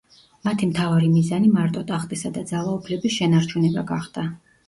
მათი მთავარი მიზანი მარტო ტახტისა და ძალაუფლების შენარჩუნება გახდა.